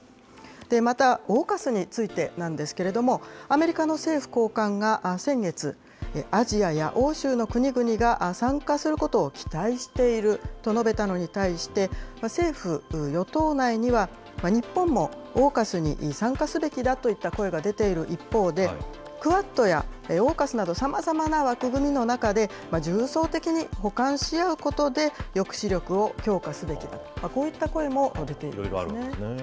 また、オーカスについてなんですけれども、アメリカの政府高官が先月、アジアや欧州の国々が参加することを期待していると述べたのに対して、政府・与党内には、日本もオーカスに参加すべきだといった声が出ている一方で、クアッドやオーカスなど、さまざまな枠組みの中で、重層的に補完し合うことで、抑止力を強化すべきだと、こういったいろいろあるんですね。